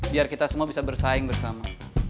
biar kita semua bisa bersaing bersama